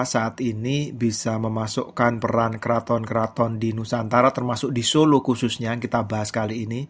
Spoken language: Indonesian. saat ini bisa memasukkan peran keraton keraton di nusantara termasuk di solo khususnya yang kita bahas kali ini